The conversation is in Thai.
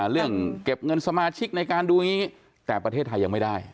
เรื่องเก็บเงินสมาชิกในการดูอย่างนี้แต่ประเทศไทยยังไม่ได้